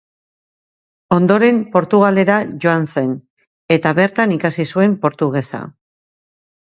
Ondoren Portugalera joan zen, eta bertan ikasi zuen portugesa.